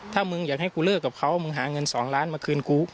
ถ้ามึงอยากให้กูเลิกกับเขามึงหาเงิน๒ล้านมาคืนกู